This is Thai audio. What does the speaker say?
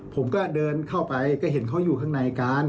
ผมก็เดินเข้าไปก็เห็นเขาอยู่ข้างในกัน